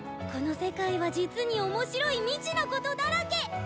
この世界は実におもしろい未知のことだらけ！